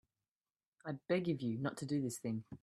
I beg of you not to do this thing.